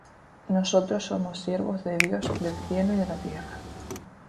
Nosotros somos siervos de Dios del cielo y de la tierra.